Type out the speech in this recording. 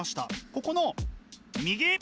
ここの右！